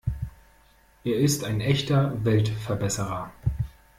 Er ist ein echter Weltverbesserer.